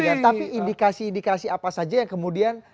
tapi indikasi indikasi apa saja yang kemudian